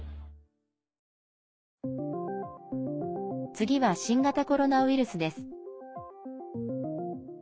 次は、新型コロナウイルスです。